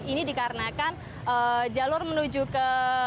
ini dikarenakan jalur menuju ke